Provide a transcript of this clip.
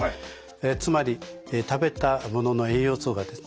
つまり食べたものの栄養素がですね